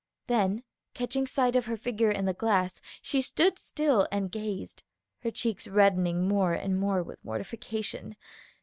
Then catching sight of her figure in the glass, she stood still and gazed, her cheeks reddening more and more with mortification.